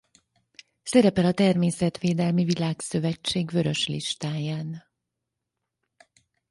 Szerepel a Természetvédelmi Világszövetség Vörös Listáján.